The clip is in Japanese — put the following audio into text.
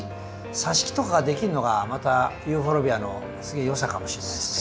さし木とかができるのがまたユーフォルビアのよさかもしれないですね。